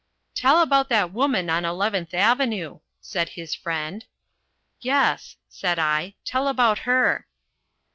"Tell about that woman on Eleventh Avenue," said his friend. "Yes," said I, "tell about her."